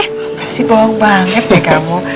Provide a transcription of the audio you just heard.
apa sih bohong banget ya pekamu